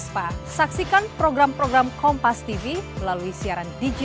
terima kasih ya bang